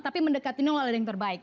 tapi mendekati adalah yang terbaik